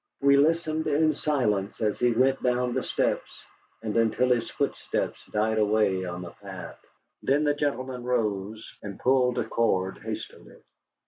We listened in silence as he went down the steps, and until his footsteps died away on the path. Then the gentleman rose and pulled a cord hastily.